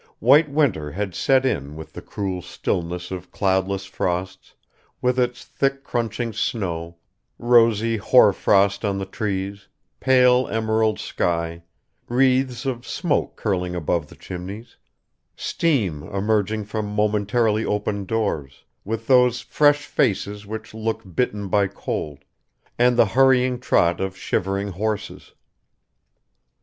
WHITE WINTER HAD SET IN WITH THE CRUEL stillness of cloudless frosts, with its thick crunching snow, rosy hoarfrost on the trees, pale emerald sky, wreaths of smoke curling above the chimneys, steam emerging from momentarily opened doors, with those fresh faces which look bitten by cold, and the hurried trot of shivering horses.